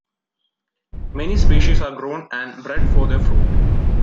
Many species are grown and bred for their fruit.